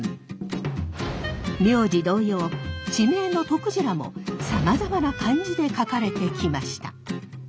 名字同様地名のとくじらもさまざまな漢字で書かれてきました。